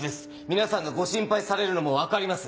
皆さんがご心配されるのも分かります。